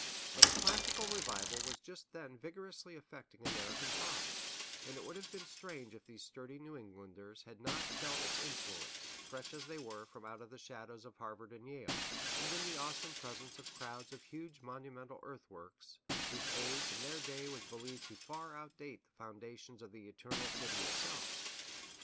But a classical revival was just then vigorously affecting American thought, and it would have been strange if these sturdy New Englanders had not felt its influence, fresh as they were from out the shadows of Harvard and Yale, and in the awesome presence of crowds of huge monumental earthworks, whose age, in their day, was believed to far outdate the foundations of the Eternal City itself.